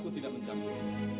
aku tidak mencampur